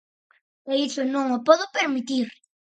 E iso non o podo permitir.